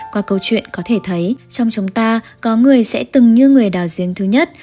qua câu chuyện có thể thấy trong chúng ta có người sẽ từng như người đào giếng thứ nhất